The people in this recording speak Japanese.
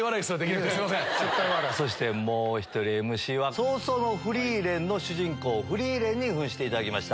そしてもう１人ＭＣは『葬送のフリーレン』の主人公フリーレンに扮していただきました。